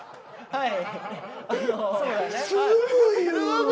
はい。